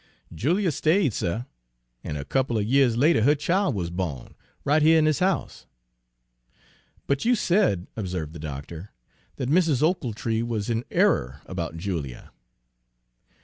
"Julia stayed, suh, an' a couple er years later her chile wuz bawn, right here in dis house." "But you said," observed the doctor, "that Mrs. Ochiltree was in error about Julia."